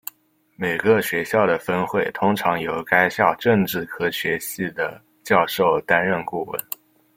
每个学校的分会通常由该校政治科学系的教授担任顾问。